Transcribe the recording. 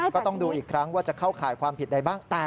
ก็ต้องดูอีกครั้งว่าจะเข้าข่ายความผิดใดบ้าง